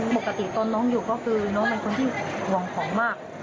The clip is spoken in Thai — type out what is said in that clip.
ปกติตอนน้องอยู่ก็คือน้องเป็นคนที่ห่วงของมาก